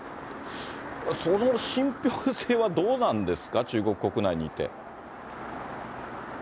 その信ぴょう性はどうなんですか、中国国内にいて。